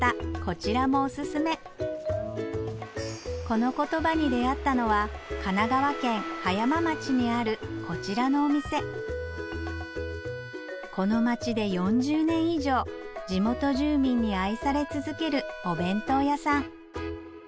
このコトバに出合ったのは神奈川県葉山町にあるこちらのお店この街で４０年以上地元住民に愛され続けるお弁当屋さん